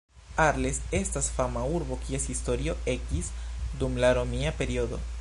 Arles estas fama urbo, kies historio ekis dum la Romia periodo.